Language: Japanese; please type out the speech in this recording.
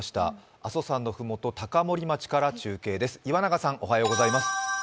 阿蘇山のふもと、高森町から中継です。